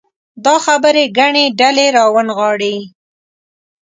دا خبرې ګڼې ډلې راونغاړي.